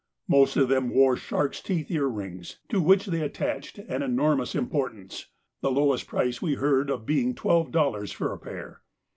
Most of them wore sharks' teeth earrings, to which they attach an enormous importance, the lowest price we heard of being twelve dollars for a pair.